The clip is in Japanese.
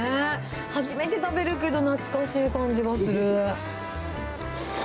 初めて食べるけど、懐かしい感じがする。